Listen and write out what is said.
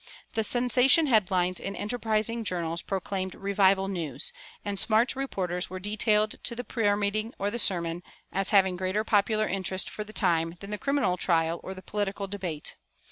The sensation head lines in enterprising journals proclaimed "Revival News," and smart reporters were detailed to the prayer meeting or the sermon, as having greater popular interest, for the time, than the criminal trial or the political debate.